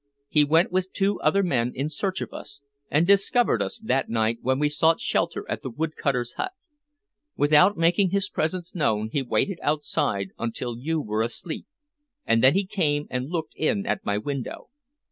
He went with two other men in search of us, and discovered us that night when we sought shelter at the wood cutter's hut. Without making his presence known he waited outside until you were asleep, and then he came and looked in at my window.